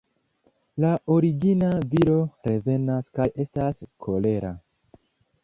La origina viro revenas kaj estas kolera.